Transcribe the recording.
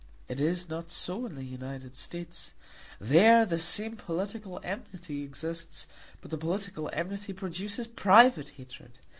It is not so in the United States. There the same political enmity exists, but the political enmity produces private hatred.